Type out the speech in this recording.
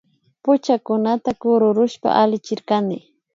Puchakunata kururushpa allichirkani